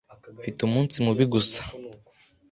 Mfite umunsi mubi gusa.